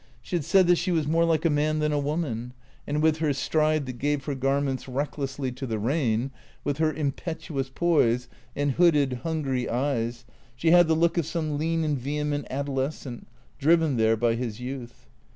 She had said that she was more like a man than a woman; and with her stride that gave her garments recklessly to the rain, with her impetuous poise, and hooded, hungry eyes, she had the look of some lean and vehement adolescent, driven there by his youth.